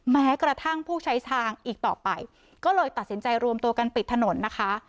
แม้กระทั่งผู้ใช้ทางอีกต่อไปก็เลยตัดสินใจรวมตัวกันปิดถนนนะคะ